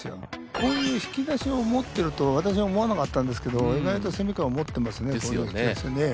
こういう引き出しを持ってると私は思わなかったんですけど意外と川持ってますね。ですよねぇ。